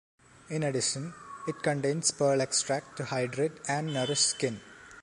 In addition, it contains pearl extract to hydrate and nourish skin.